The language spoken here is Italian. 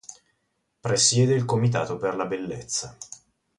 Presiede il Comitato per la Bellezza.